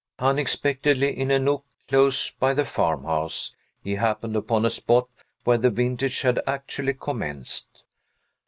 Unexpectedly, in a nook close by the farmhouse, he happened upon a spot where the vintage had actually commenced.